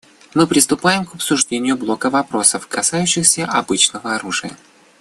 Мы приступаем к обсуждению блока вопросов, касающихся обычного оружия.